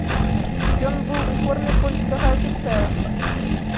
Ён быў у форме польскага афіцэра.